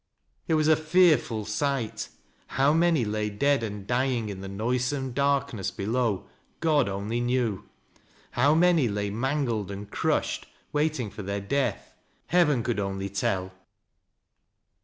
It was a fearful sight. How many lay dead and dy (ng in the noisome darkness below^ God only kuew I How 228 THAT LABS O LOWRISTB. manj lay mangled and crushed, waiting f oi their death Heaven only could tell